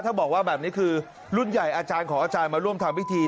ถ้าบอกว่าแบบนี้คือรุ่นใหญ่อาจารย์ของอาจารย์มาร่วมทำพิธี